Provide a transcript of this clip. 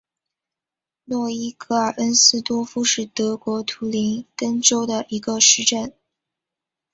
诺伊格尔恩斯多夫是德国图林根州的一个市镇。